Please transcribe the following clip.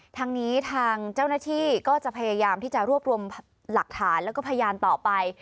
ทางนี้ทางเจ้าหน้าที่ก็จะพยายามที่จะรวบรวมหลักฐานแล้วก็พยานต่อไป